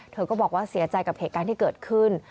เธอก็บอกว่าเสียใจกับเหตุการณ์ที่เกิดขึ้น